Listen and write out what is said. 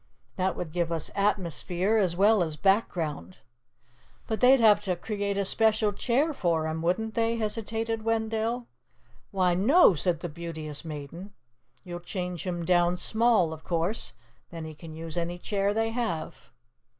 That would give us Atmosphere as well as Background." "But they'd have to create a special Chair for him, wouldn't they?" hesitated Wendell. "Why, no," said the Beauteous Maiden. "You'll change him down small, of course, and then he can use any chair they have."